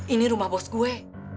ini rumah bos gue